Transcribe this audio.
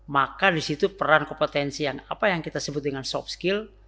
maka disitu peran kompetensi yang apa yang kita sebut dengan soft skill